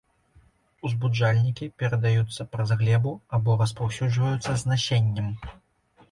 Узбуджальнікі перадаюцца праз глебу або распаўсюджваюцца з насеннем.